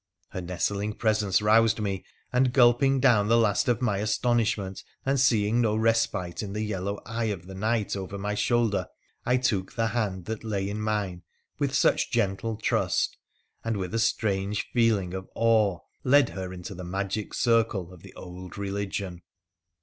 Her nestling presence roused me, and, gulping down the last of my astonishment, and seeing no PHRA THE PIKENICIAN 87 respite in the yellow eye of the night over my shoulder, I took the hand that lay in mine with such gentle trust and, with a strange feeling of awe, led her into the magic circle of the old religion.